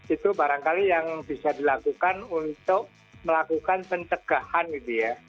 itu barangkali yang bisa dilakukan untuk melakukan pencegahan gitu ya